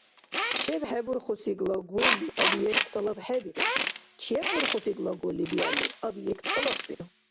ЧебхӀебурхуси глаголли объект тӀалабхӀебиру, чебурхуси глаголли биалли объект тӀалаббиру.